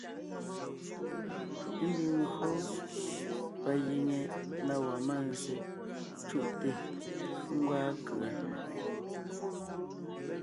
Ḿbiŋ ńgÿo pa giŋe na wɔɔn mánzsè cú’te ńgwaa kʉ̀a.